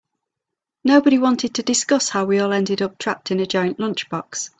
Nobody wanted to discuss how we all ended up trapped in a giant lunchbox.